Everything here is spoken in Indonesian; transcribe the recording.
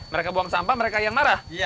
mereka buang sampah mereka yang marah